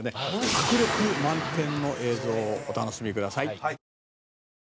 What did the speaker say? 迫力満点の映像をお楽しみください。